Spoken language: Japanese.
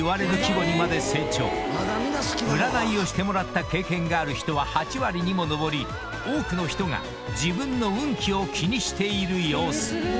［占いをしてもらった経験がある人は８割にも上り多くの人が自分の運気を気にしている様子］